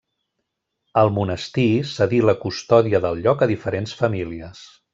El monestir cedí la custòdia del lloc a diferents famílies.